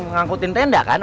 ngangkutin tenda kan